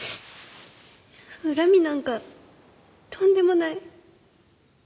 恨みなんかとんでもない。